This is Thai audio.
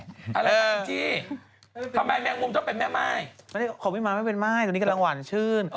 ไม่พี่มาชะครับพี่เป็นไม้วันนี้ก็เรางวัลชื่น